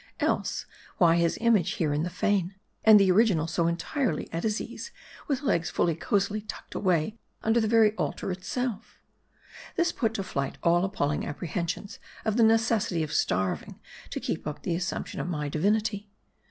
Else, why his image here in the fane, and the original so entirely at his ease, with legs full cosily tucked away un der the very altar itself. This put to flight all appalling apprehensions of the necessity of starving to keep up the assumption of my divinity.